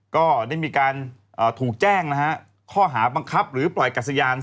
ก็ได้มีการถูกแจ้งนะฮะข้อหาบังคับหรือปล่อยกัสยาน